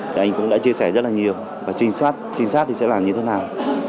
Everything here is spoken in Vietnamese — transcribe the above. thì anh cũng đã chia sẻ rất là nhiều và trình sát trinh sát thì sẽ làm như thế nào